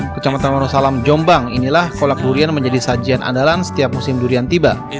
kecamatan wonosalam jombang inilah kolak durian menjadi sajian andalan setiap musim durian tiba